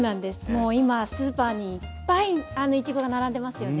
もう今スーパーにいっぱいいちごが並んでますよね。